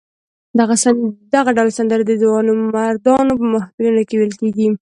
دغه ډول سندرې د ځوانمردانو په محفلونو کې ویل کېدې.